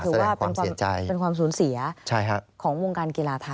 ถือว่าเป็นความสูญเสียของวงการกีฬาไทย